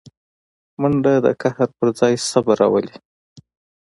منډه د قهر پر ځای صبر راولي